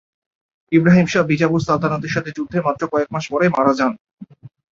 ইব্রাহিম শাহ বিজাপুর সালতানাতের সাথে যুদ্ধে মাত্র কয়েক মাস পরে মারা যান।